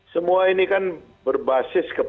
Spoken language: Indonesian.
semua ini kan berbasis